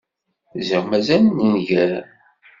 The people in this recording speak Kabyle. Ziɣ mazal nenger.